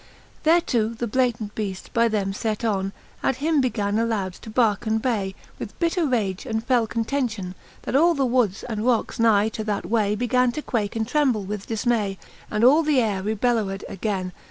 XLI. Thereto the Blatant beaft by them fet on At him began aloud to barke and bay. With bitter rage and fell contention. That all the woods and rockes nigh to that way, Began to quake and tremble with difmay ; And all the aire rebellowed againe.